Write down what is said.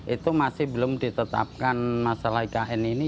itu masih belum ditetapkan masalah ikn ini